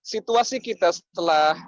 situasi kita setelah